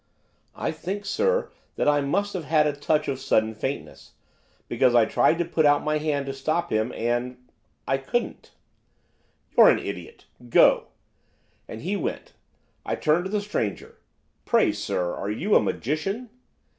'I think, sir, that I must have had a touch of sudden faintness, because I tried to put out my hand to stop him, and I couldn't.' 'You're an idiot. Go!' And he went. I turned to the stranger. 'Pray, sir, are you a magician?